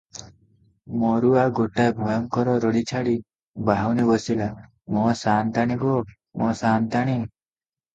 ମରୁଆ ଗୋଟାଏ ଭୟଙ୍କର ରଡ଼ି ଛାଡ଼ି ବାହୁନି ବସିଲା --"ମୋ ସାଆନ୍ତଣି ଗୋ; ମୋ ସାଆନ୍ତାଣି!